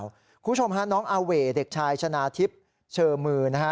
คุณผู้ชมฮะน้องอาเว่เด็กชายชนะทิพย์เชอมือนะฮะ